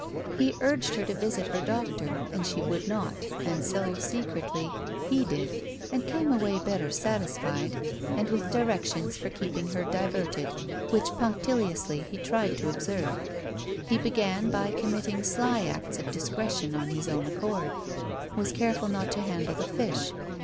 He urged her to visit her doctor and she would not, and so, secretly, he did, and came away better satisfied, and with directions for keeping her diverted, which punctiUously he tried to observe. He began by committing sly acts of discretion on his own accord. Was careful not to handle the fish.